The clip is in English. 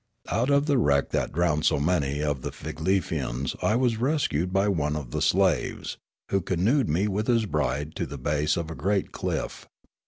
Out of the wreck that drowned so many of the Fig lefians I was rescued by one of the slaves, who canoed ;o2 Riallaro me with his bride to the base of a great cliff.